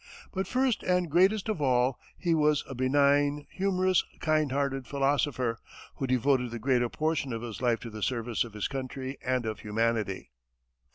But first and greatest of all, he was a benign, humorous, kind hearted philosopher, who devoted the greater portion of his life to the service of his country and of humanity.